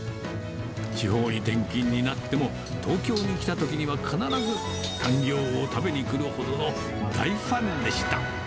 地方に転勤になっても、東京に来たときには必ずタンギョーを食べに来るほどの大ファンでした。